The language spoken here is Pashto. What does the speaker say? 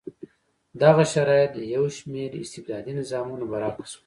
دغه شرایط د یو شمېر استبدادي نظامونو برعکس و.